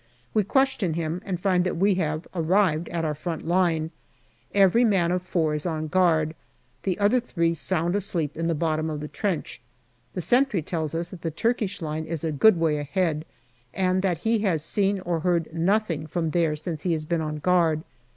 We question him, and find that we have arrived at our front line. Every man of four is on guard, the other three sound asleep in the bottom of the trench. The sentry tells us that the Turkish line is a good way ahead, and that he has seen or heard nothing from there since he has been on guard.